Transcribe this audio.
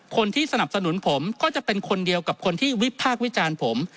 คนที่สนับสนุนผมก็จะเป็นคนเดียวกับคนที่วิพากษ์วิจารณ์ผม